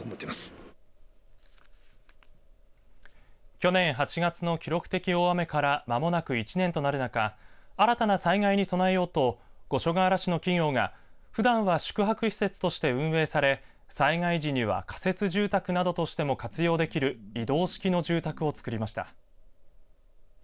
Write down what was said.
去年８月の記録的大雨から間もなく１年となる中新たな災害に備えようと五所川原市の企業がふだんは宿泊施設として運営され災害時には仮設住宅などとしても活用できる移動式の住宅を造りました。